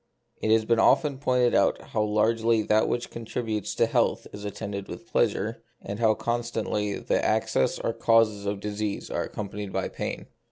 It has been often pointed out how largely that which contributes to health is attended with pleasure, and how constantly the access or the causes of disease are accompanied by pain.